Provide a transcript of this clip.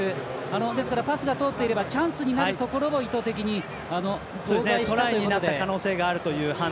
ですから、パスが通っていればチャンスになるところを意図的に妨害したと。